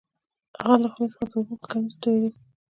د هغه له خولې څخه اوبه په کمیس تویدې